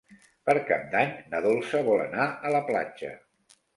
Per Cap d'Any na Dolça vol anar a la platja.